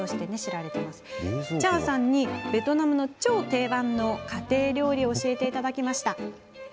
チャーンさんにベトナムの超定番の家庭料理を教えていただきました。